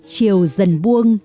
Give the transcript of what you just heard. chiều dần buông